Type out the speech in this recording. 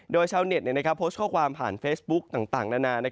โดยชาวเน็ตโพสต์ข้อความผ่านเฟซบุ๊กต่างนานา